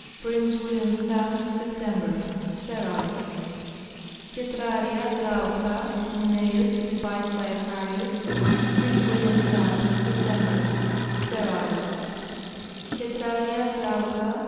Prince William sound, September. Sterile. Cetraria glauca, (L.) Ach. Prince William sound, September. Sterile. Cetraria glauca, (L.)